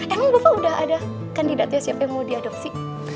emang bapak udah ada kandidatnya siapa yang mau diadopsi